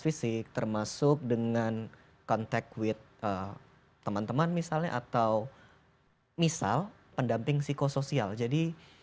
fisik termasuk dengan contact with teman teman misalnya atau misal pendamping psikosoial jadi